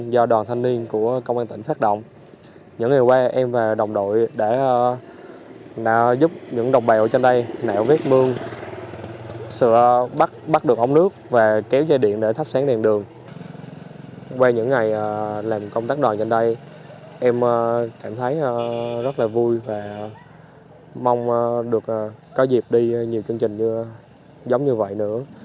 và mong được có dịp đi nhiều chương trình giống như vậy nữa